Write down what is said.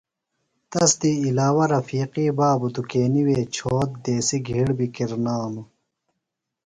تس دی علاوہ رفیقی بابی دُکینیۡ وے چھوت دیسیۡ گِھیڑ بیۡ کِرنِجانوۡ۔